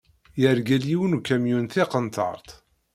Yergel yiwen ukamyun tiqenṭert.